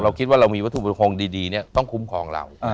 เราคิดว่าเรามีวัตถุมงคลดีเนี่ยต้องคุ้มของเรา